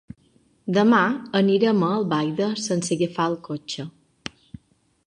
Demà anirem a Albaida sense agafar el cotxe.